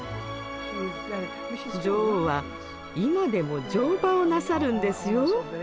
女王は今でも乗馬をなさるんですよ。